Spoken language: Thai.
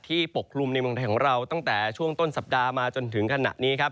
ที่ปกลุ่มในบริเวณของเราตั้งแต่ช่วงต้นสัปดาห์มาจนถึงขนาดนี้